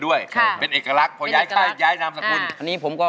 ได้ครับ